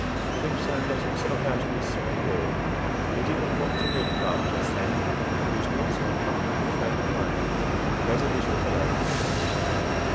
Livingstone let himself out of his side door. He did not want to meet Clark just then. He was not in a comfortable frame of mind. He had a little headache.